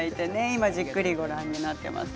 今じっくりご覧になっています。